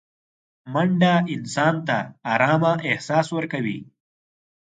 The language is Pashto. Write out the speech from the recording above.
منډه انسان ته ارامه احساس ورکوي